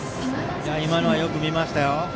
今のはよく見ましたよ。